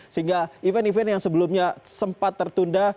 sehingga event event yang sebelumnya sempat tertunda